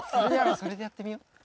それでやってみよう。